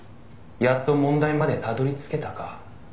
「やっと問題までたどり着けたか」